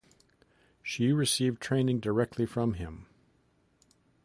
She received training directly from him.